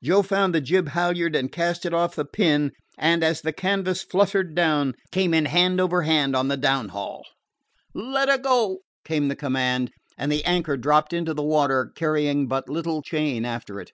Joe found the jib halyard and cast it off the pin, and, as the canvas fluttered down, came in hand over hand on the downhaul. "Let 'er go!" came the command, and the anchor dropped into the water, carrying but little chain after it.